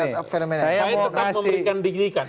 saya tekan memberikan pendidikan